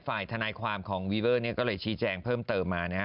ฝ่ายทนายความของวีเวอร์เนี่ยก็เลยชี้แจงเพิ่มเติมมานะฮะ